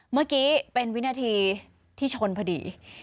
เมื่อกี้เป็นวินาทีที่ชนพอดี